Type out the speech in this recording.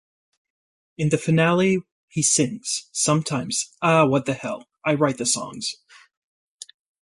In the finale he sings, sometimes...ah, what the hell...I write the songs.